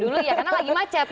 dulu ya karena lagi macet